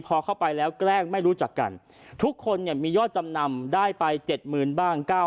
พอเข้าไปแล้วแกล้งไม่รู้จักกันทุกคนเนี่ยมียอดจำนำได้ไป๗๐๐บ้าง